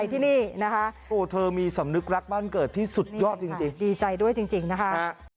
ยอดจริงดีใจด้วยจริงนะคะ